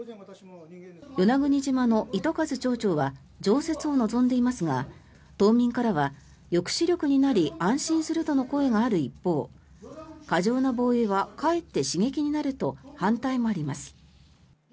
与那国島の糸数町長は常設を望んでいますが島民からは、抑止力になり安心するとの声がある一方過剰な防衛はかえって刺激になると反対もあります。